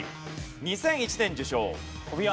２００１年受賞。